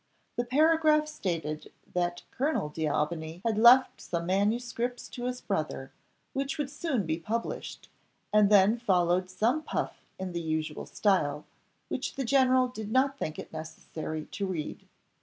The paragraph stated that Colonel D'Aubigny had left some manuscripts to his brother, which would soon be published, and then followed some puff in the usual style, which the general did not think it necessary to read.